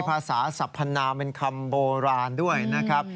ภาษาสัพพนามเป็นคำโบราณด้วยนะครับ